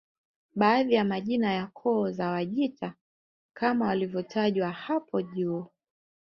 Baadhi ya majina ya koo za Wajita kama yalivyotajwa hapo juu